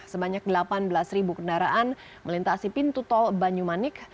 sebanyak delapan belas kendaraan melintasi pintu tol banyumanik